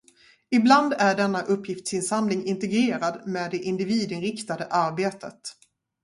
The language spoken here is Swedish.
Ibland är denna uppgiftsinsamling integrerad med det individinriktade arbetet.